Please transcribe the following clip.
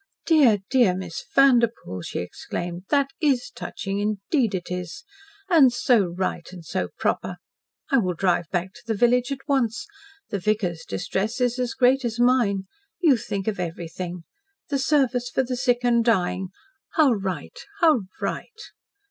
"Dear, dear, Miss Vanderpoel!" she exclaimed. "THAT is touching, indeed it is! And so right and so proper. I will drive back to the village at once. The vicar's distress is as great as mine. You think of everything. The service for the sick and dying. How right how right!"